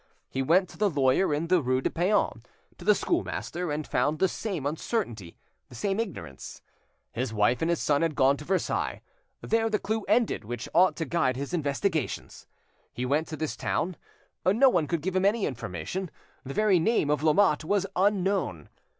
He went to the lawyer in the rue de Paon, to the schoolmaster, and found the same uncertainty, the same ignorance. His wife and his son had gone to Versailles, there the clue ended which ought to guide his investigations. He went to this town; no one could give him any information, the very name of Lamotte was unknown.